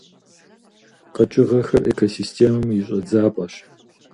КъэкӀыгъэхэр экосистемэм и щӀэдзапӀэщ.